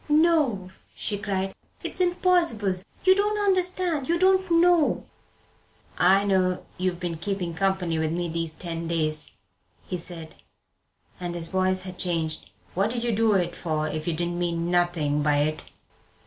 "No," she cried, "it's impossible! You don't understand! You don't know!" "I know you've been keeping company with me these ten days," he said, and his voice had changed. "What did you do it for if you didn't mean nothing by it?"